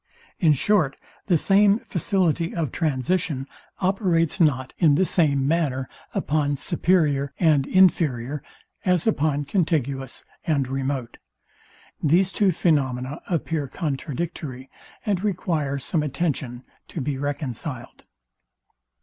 In short, the same facility of transition operates not in the same manner upon superior and inferior as upon contiguous and remote. These two phaenomena appear contradictory, and require some attention to be reconciled.